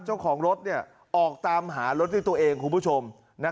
เจ้าของรถเนี้ยออกตามหารถที่ตัวเองคุณผู้ชม